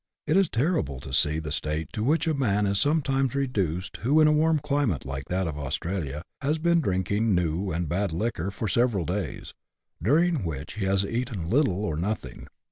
It is terrible to see the state to which a man is sometimes reduced who, in a warm climate like that of Australia, has been drinking new and bad liquor for several days, during which he has eaten little or nothing.